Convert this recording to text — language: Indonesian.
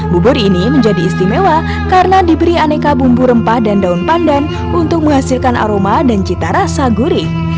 bubur ini menjadi istimewa karena diberi aneka bumbu rempah dan daun pandan untuk menghasilkan aroma dan cita rasa gurih